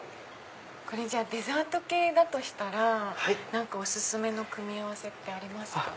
じゃあデザート系だとしたらお薦めの組み合わせありますか？